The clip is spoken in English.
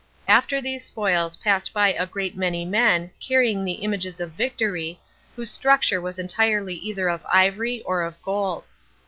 After these spoils passed by a great many men, carrying the images of Victory, whose structure was entirely either of ivory or of gold.